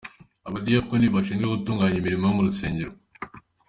Abadiyakoni bashinzwe gutunganya imirimo yo mu rusengero.